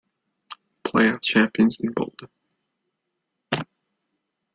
Playoff champions in bold.